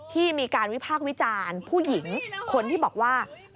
ที่มีการวิพากษ์วิจารณ์ผู้หญิงคนที่บอกว่า